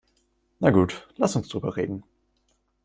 Na gut, lass uns drüber reden.